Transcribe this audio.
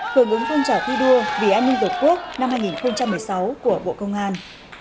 hưởng ứng phong trào thi đua vì an ninh tổ quốc năm hai nghìn một mươi sáu của bộ công an